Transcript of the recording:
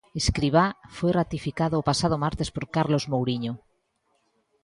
Escribá foi ratificado o pasado martes por Carlos Mouriño.